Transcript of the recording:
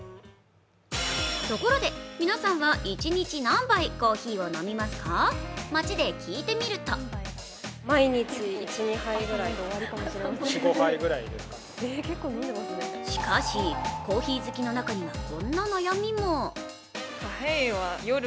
ところで皆さんは一日何杯コーヒーを飲みますか、街で聞いてみるとしかし、コーヒー好きの中にはこんな悩みも。